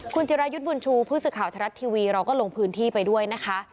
คุณจิรายุทธ์บุญชูผู้สื่อข่าวไทยรัฐทีวีเราก็ลงพื้นที่ไปด้วยนะคะ